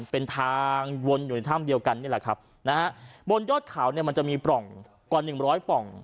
เป็นทางวนอยู่ในถ้ำเดียวกันนี่แหละครับนะฮะบนยอดเขาเนี่ยมันจะมีปล่องกว่าหนึ่งร้อยปล่อง